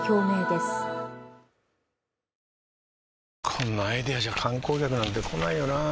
こんなアイデアじゃ観光客なんて来ないよなあ